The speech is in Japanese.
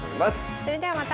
それではまた。